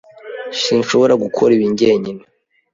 Sinshobora gukora ibi njyenyine.